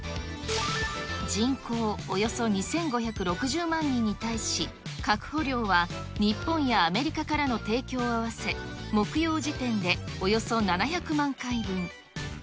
人口およそ２５６０万人に対し、確保量は日本やアメリカからの提供を合わせ、木曜時点でおよそ７００万回分。